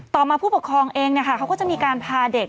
ต่อมาผู้ปกครองเองเขาก็จะมีการพาเด็ก